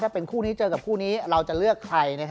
ถ้าเป็นคู่นี้เจอกับคู่นี้เราจะเลือกใคร